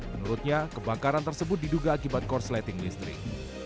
menurutnya kebakaran tersebut diduga akibat korsleting listrik